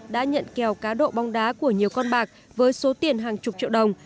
đã nhận kèo cá độ bóng đá của nhiều con bạc với số tiền hàng chục triệu đồng